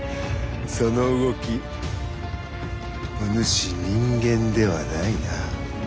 その動きお主人間ではないな。